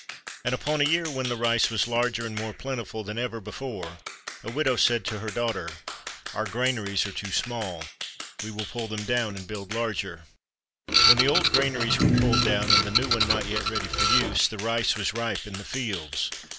And upon a year when the rice was larger and more plentiful than ever before, a widow said to her daughter, "Our granaries are too small. We will pull them down and build larger." When the old granaries were pulled down and the new one not yet ready for use, the rice was ripe in the fields.